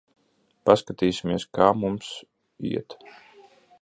Paskatīsimies, kā mums iet.